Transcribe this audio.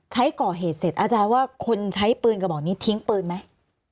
ใช้ก่อเหตุเสร็จอาจารย์ว่าคนใช้ปืนกระบอกนี้ทิ้งปืนไหม